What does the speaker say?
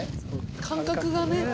感覚がね。